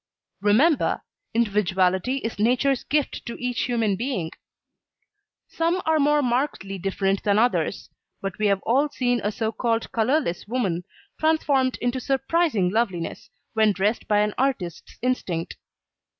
Remember, individuality is nature's gift to each human being. Some are more markedly different than others, but we have all seen a so called colourless woman transformed into surprising loveliness when dressed by an artist's instinct.